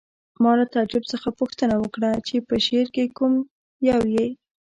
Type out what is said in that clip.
ما له تعجب څخه پوښتنه وکړه چې په شعر کې کوم یو یې